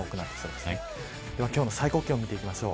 では、今日の最高気温見ていきましょう。